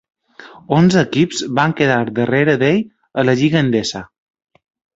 Onze equips van quedar darrere d'ell a la Lliga Endesa.